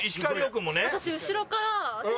私後ろから。